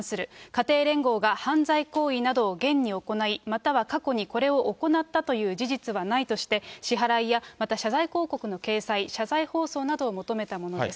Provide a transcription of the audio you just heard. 家庭連合が犯罪行為などを現に行い、または過去にこれを行ったという事実はないとして、支払いや、また謝罪広告の掲載、謝罪放送などを求めたものです。